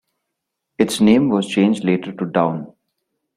Its name was changed later to Downe.